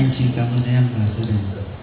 anh xin cảm ơn em và gia đình